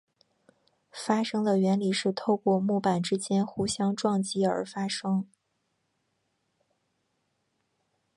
发声的原理是透过木板之间互相撞击而发声。